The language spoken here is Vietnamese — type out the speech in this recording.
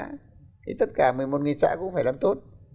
thì tất cả một mươi một xã cũng phải làm tốt